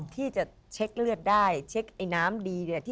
ที่จะเช็คเลือดได้เช็คไอ้น้ำดี